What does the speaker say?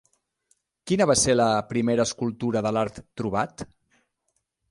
Quina va ser la primera escultura de l'art trobat?